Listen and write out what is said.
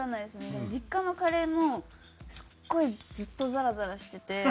でも実家のカレーもすっごいずっとザラザラしてて。